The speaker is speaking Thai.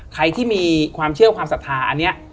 ใครที่มีความเชื่อความศรัทธาอันนี้